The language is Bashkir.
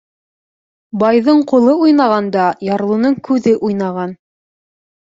Байҙың ҡулы уйнағанда, ярлының күҙе уйнаған.